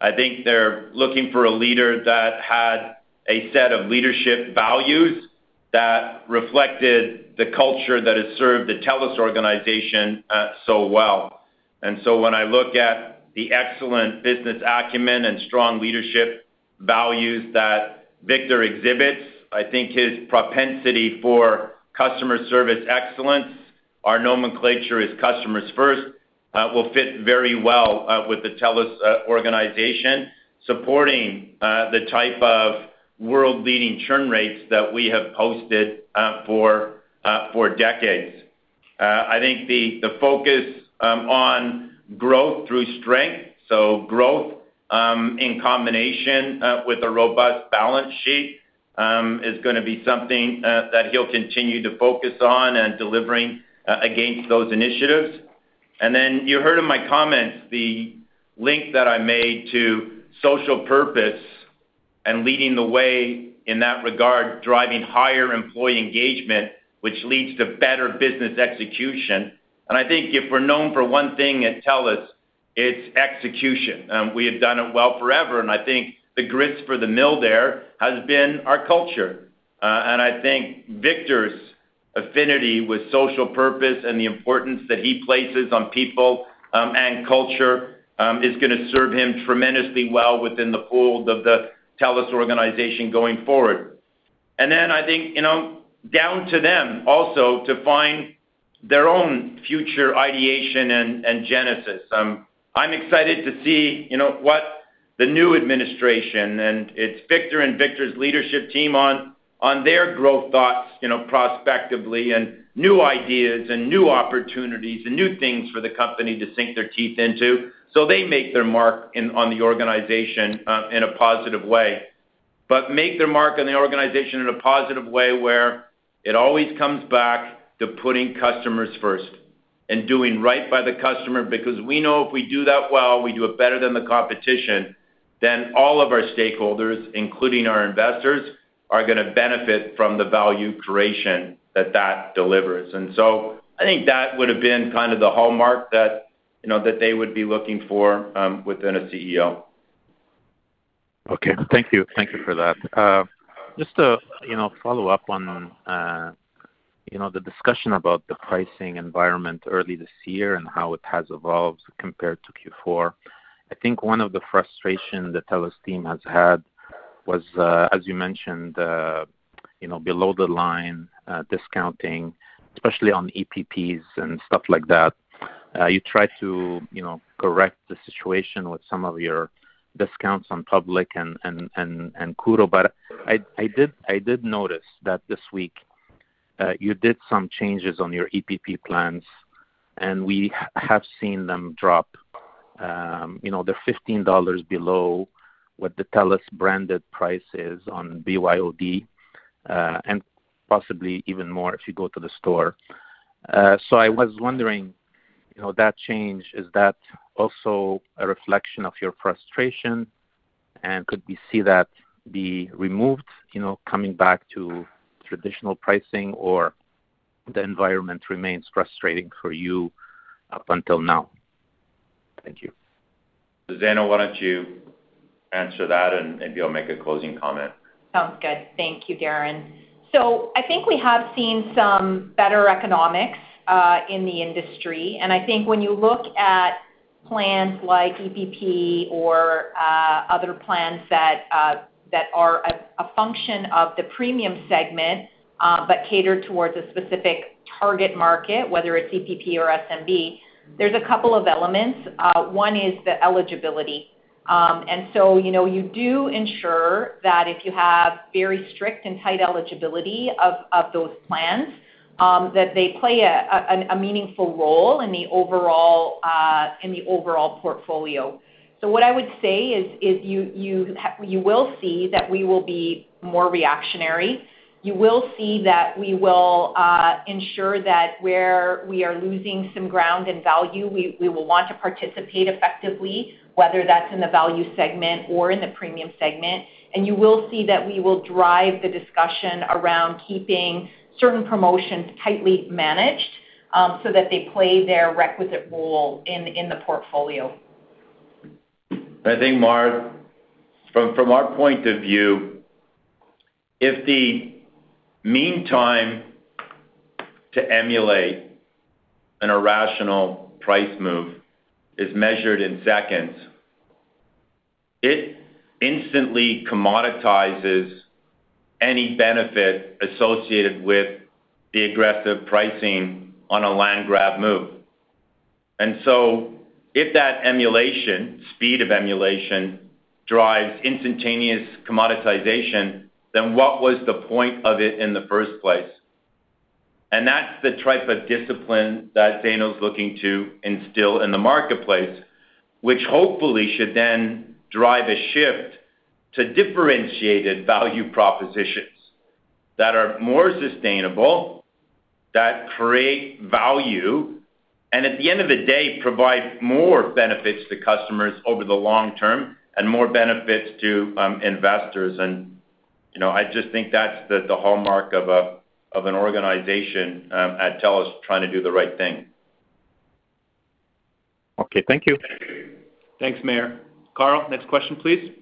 I think they're looking for a leader that had a set of leadership values that reflected the culture that has served the TELUS organization so well. So when I look at the excellent business acumen and strong leadership values that Victor exhibits, I think his propensity for customer service excellence, our nomenclature is customers first, will fit very well with the TELUS organization, supporting the type of world-leading churn rates that we have posted for decades. I think the focus on growth through strength, so growth in combination with a robust balance sheet is gonna be something that he'll continue to focus on and delivering against those initiatives. And then you heard in my comments the link that I made to social purpose and leading the way in that regard, driving higher employee engagement, which leads to better business execution. And I think if we're known for one thing at TELUS, it's execution. We have done it well forever, and I think the grist for the mill there has been our culture. And I think Victor's affinity with social purpose and the importance that he places on people and culture is gonna serve him tremendously well within the fold of the TELUS organization going forward. And then I think, you know, down to them also to find their own future ideation and genesis. I'm excited to see, you know, what the new administration, and it's Victor and Victor's leadership team on their growth thoughts, you know, prospectively, and new ideas and new opportunities and new things for the company to sink their teeth into. So they make their mark on the organization in a positive way. But make their mark on the organization in a positive way, where it always comes back to putting customers first and doing right by the customer, because we know if we do that well, we do it better than the competition, then all of our stakeholders, including our investors, are gonna benefit from the value creation that that delivers. I think that would have been kind of the hallmark that, you know, that they would be looking for, within a CEO. Okay. Thank you. Thank you for that. Just to, you know, follow up on, you know, the discussion about the pricing environment early this year and how it has evolved compared to Q4. I think one of the frustration the TELUS team has had was, as you mentioned, you know, below the line, discounting, especially on EPPs and stuff like that. You tried to, you know, correct the situation with some of your discounts on Public and Koodo. But I did notice that this week, you did some changes on your EPP plans, and we have seen them drop. You know, they're 15 dollars below what the TELUS branded price is on BYOD, and possibly even more if you go to the store. So I was wondering, you know, that change, is that also a reflection of your frustration? And could we see that be removed, you know, coming back to traditional pricing, or the environment remains frustrating for you up until now? Thank you. Zainul, why don't you answer that, and maybe I'll make a closing comment. Sounds good. Thank you, Darren. So I think we have seen some better economics in the industry. And I think when you look at plans like EPP or other plans that are a function of the premium segment but cater towards a specific target market, whether it's EPP or SMB, there's a couple of elements. One is the eligibility. And so, you know, you do ensure that if you have very strict and tight eligibility of those plans that they play a meaningful role in the overall portfolio. So what I would say is you will see that we will be more reactionary. You will see that we will ensure that where we are losing some ground and value, we will want to participate effectively, whether that's in the value segment or in the premium segment. And you will see that we will drive the discussion around keeping certain promotions tightly managed, so that they play their requisite role in the portfolio. I think, Maher, from our point of view, if the meantime to emulate an irrational price move is measured in seconds, it instantly commoditizes any benefit associated with the aggressive pricing on a land grab move. And so if that emulation, speed of emulation, drives instantaneous commoditization, then what was the point of it in the first place? And that's the type of discipline that Zainul's looking to instill in the marketplace, which hopefully should then drive a shift to differentiated value propositions that are more sustainable, that create value, and at the end of the day, provide more benefits to customers over the long term and more benefits to investors. And, you know, I just think that's the hallmark of an organization at TELUS trying to do the right thing. Okay, thank you. Thanks, Maher. Carl, next question, please.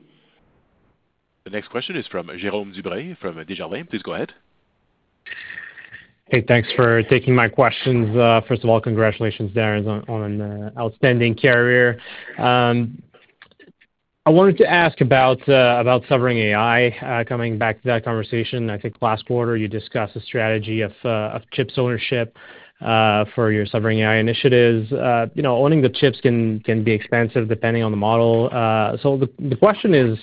The next question is from Jérome Dubreuil from Desjardins. Please go ahead. Hey, thanks for taking my questions. First of all, congratulations, Darren, on outstanding career. I wanted to ask about Sovereign AI. Coming back to that conversation, I think last quarter, you discussed the strategy of chips ownership for your Sovereign AI initiatives. You know, owning the chips can be expensive depending on the model. So the question is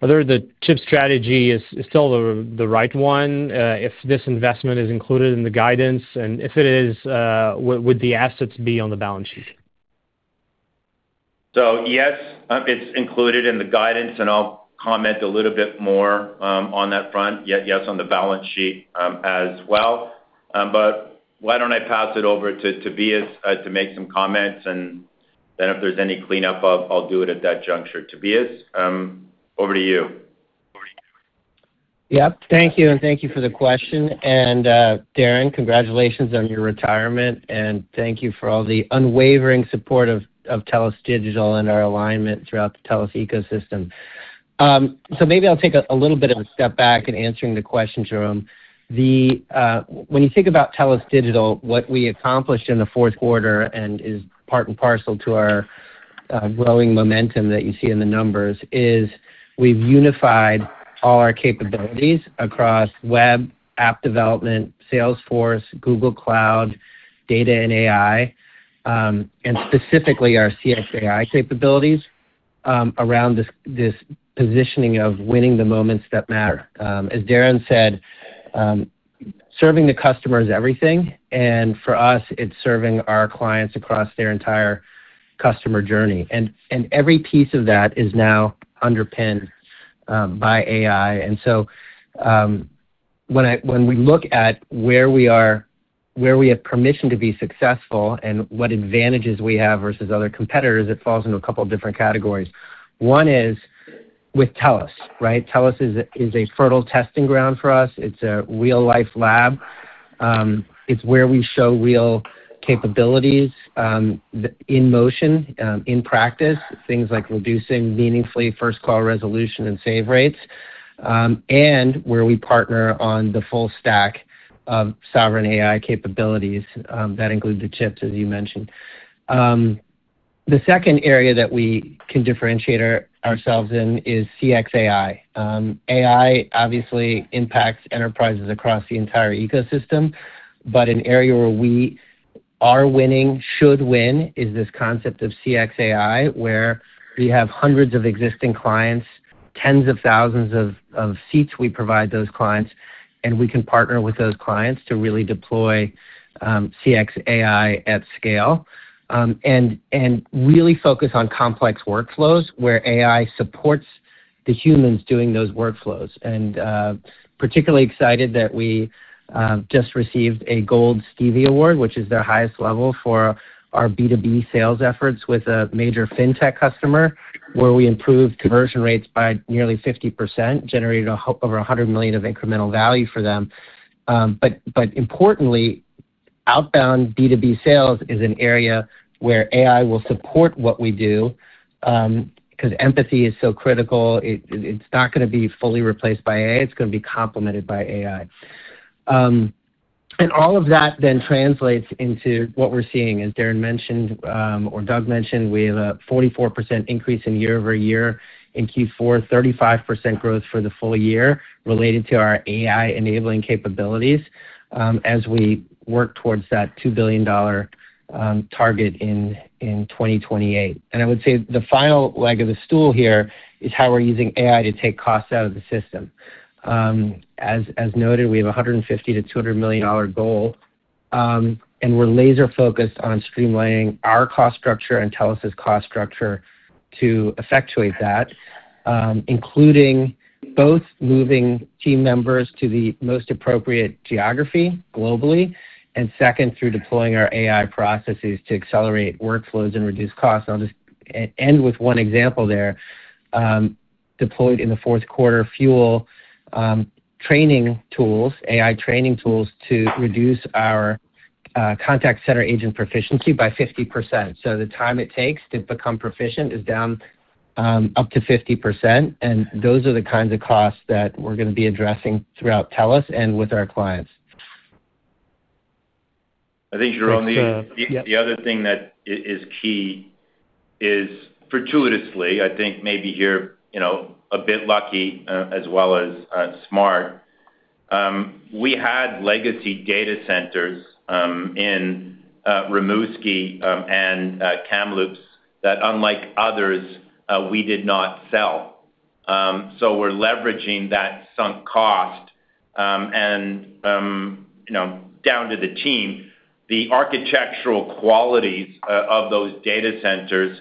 whether the chip strategy is still the right one, if this investment is included in the guidance, and if it is, where would the assets be on the balance sheet? So yes, it's included in the guidance, and I'll comment a little bit more on that front. Yes, yes, on the balance sheet as well. But why don't I pass it over to Tobias to make some comments, and then if there's any cleanup, I'll do it at that juncture. Tobias, over to you. Yep. Thank you, and thank you for the question. And, Darren, congratulations on your retirement, and thank you for all the unwavering support of TELUS Digital and our alignment throughout the TELUS ecosystem. So maybe I'll take a little bit of a step back in answering the question, Jérome. The... when you think about TELUS Digital, what we accomplished in the fourth quarter and is part and parcel to our growing momentum that you see in the numbers, is we've unified all our capabilities across web, app development, Salesforce, Google Cloud, data and AI, and specifically our CXAI capabilities, around this positioning of winning the moments that matter. As Darren said, serving the customer is everything, and for us, it's serving our clients across their entire customer journey. Every piece of that is now underpinned by AI. So, when we look at where we have permission to be successful and what advantages we have versus other competitors, it falls into a couple different categories. One is with TELUS, right? TELUS is a fertile testing ground for us. It's a real-life lab. It's where we show real capabilities in motion, in practice. Things like reducing meaningfully first call resolution and save rates, and where we partner on the full stack of Sovereign AI capabilities that include the chips, as you mentioned. The second area that we can differentiate ourselves in is CXAI. AI obviously impacts enterprises across the entire ecosystem, but an area where we are winning, should win, is this concept of CXAI, where we have hundreds of existing clients, tens of thousands of seats we provide those clients, and we can partner with those clients to really deploy CXAI at scale. And really focus on complex workflows where AI supports the humans doing those workflows. And particularly excited that we just received a Gold Stevie Award, which is their highest level for our B2B sales efforts with a major Fintech customer, where we improved conversion rates by nearly 50%, generated over 100 million of incremental value for them. But importantly, outbound B2B sales is an area where AI will support what we do, 'cause empathy is so critical. It's not gonna be fully replaced by AI, it's gonna be complemented by AI. And all of that then translates into what we're seeing. As Darren mentioned, or Doug mentioned, we have a 44% increase year-over-year in Q4, 35% growth for the full year related to our AI-enabling capabilities, as we work towards that 2 billion dollar target in 2028. And I would say the final leg of the stool here is how we're using AI to take costs out of the system. As noted, we have a 150 million-200 million dollar goal, and we're laser-focused on streamlining our cost structure and TELUS's cost structure to effectuate that, including both moving team members to the most appropriate geography globally, and second, through deploying our AI processes to accelerate workflows and reduce costs. I'll just end with one example there. Deployed in the fourth quarter, Fuel iX training tools, AI training tools, to reduce our contact center agent proficiency by 50%. So the time it takes to become proficient is down up to 50%, and those are the kinds of costs that we're gonna be addressing throughout TELUS and with our clients. I think, Jérome, the other thing that is key is, fortuitously, I think maybe you're, you know, a bit lucky as well as smart. We had legacy data centers in Rimouski and Kamloops, that unlike others, we did not sell. So we're leveraging that sunk cost, and you know, down to the team. The architectural qualities of those data centers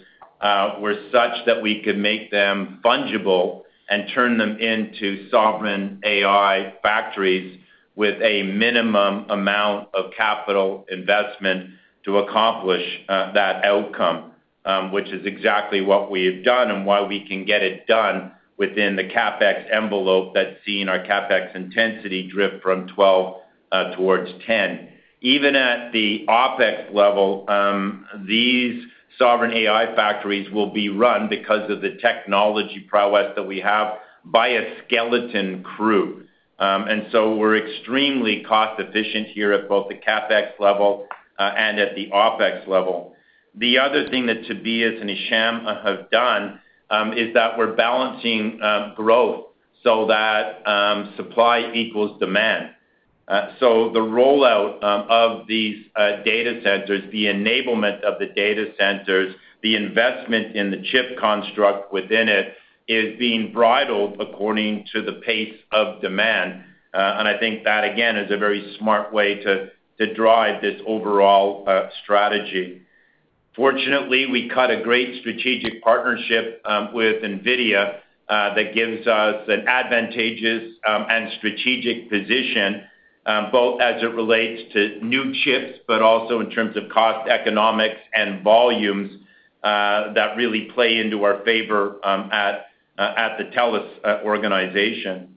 were such that we could make them fungible and turn them into sovereign AI factories with a minimum amount of capital investment to accomplish that outcome, which is exactly what we have done and why we can get it done within the CapEx envelope that's seen our CapEx intensity drift from 12 towards 10. Even at the OpEx level, these sovereign AI factories will be run because of the technology prowess that we have by a skeleton crew. And so we're extremely cost efficient here at both the CapEx level, and at the OpEx level. The other thing that Tobias and Hisham have done, is that we're balancing, growth so that, supply equals demand. So the rollout, of these, data centers, the enablement of the data centers, the investment in the chip construct within it, is being bridled according to the pace of demand. And I think that, again, is a very smart way to, to drive this overall, strategy. Fortunately, we cut a great strategic partnership with NVIDIA that gives us an advantageous and strategic position both as it relates to new chips, but also in terms of cost, economics, and volumes that really play into our favor at the TELUS organization.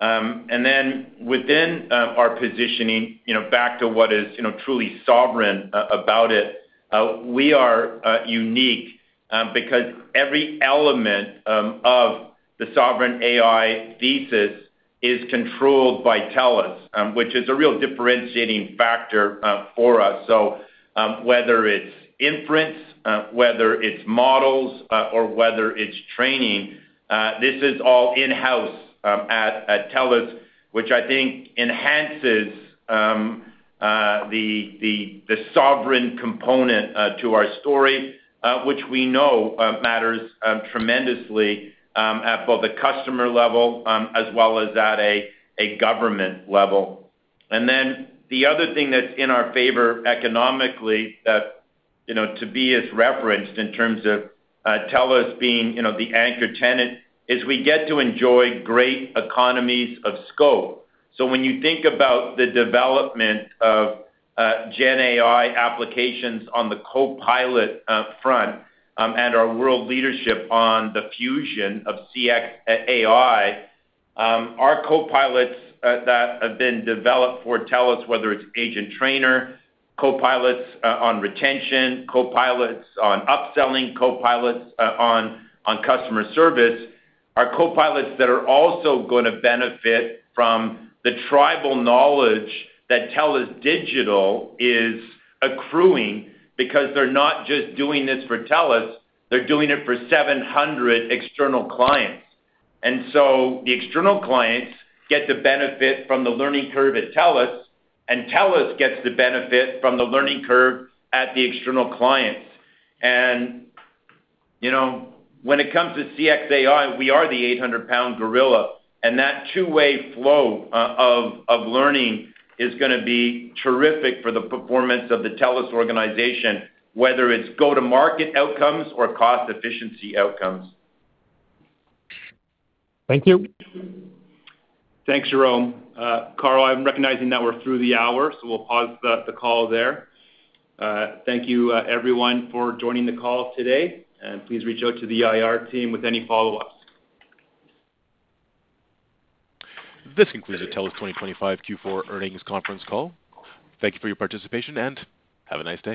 And then within our positioning, you know, back to what is, you know, truly sovereign about it, we are unique because every element of the sovereign AI thesis is controlled by TELUS, which is a real differentiating factor for us. So, whether it's inference, whether it's models, or whether it's training, this is all in-house at TELUS, which I think enhances the sovereign component to our story, which we know matters tremendously at both the customer level as well as at a government level. And then the other thing that's in our favor economically that, you know, Tobias referenced in terms of TELUS being, you know, the anchor tenant, is we get to enjoy great economies of scope. So when you think about the development of GenAI applications on the copilot front, and our world leadership on the fusion of CXAI, our copilots that have been developed for TELUS, whether it's agent trainer, copilots on retention, copilots on upselling, copilots on customer service, are copilots that are also gonna benefit from the tribal knowledge that TELUS Digital is accruing because they're not just doing this for TELUS, they're doing it for 700 external clients. And so the external clients get the benefit from the learning curve at TELUS, and TELUS gets the benefit from the learning curve at the external clients. You know, when it comes to CXAI, we are the 800-pound gorilla, and that two-way flow of learning is gonna be terrific for the performance of the TELUS organization, whether it's go-to-market outcomes or cost efficiency outcomes. Thank you. Thanks, Jérome. Carl, I'm recognizing that we're through the hour, so we'll pause the call there. Thank you, everyone, for joining the call today, and please reach out to the IR team with any follow-ups. This concludes the TELUS 2025 Q4 earnings conference call. Thank you for your participation, and have a nice day.